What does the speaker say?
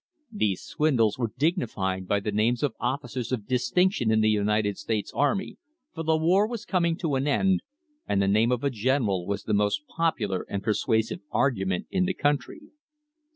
These swindles were dignified by the names of officers of distinction in the United States army, for the war was coming THE BIRTH OF AN INDUSTRY to an end and the name of a general was the most popular and persuasive argument in the country.